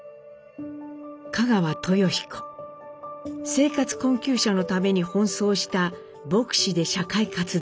生活困窮者のために奔走した牧師で社会活動家。